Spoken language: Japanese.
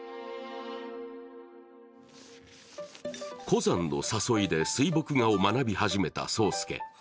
湖山の誘いで水墨画を学び始めた霜介。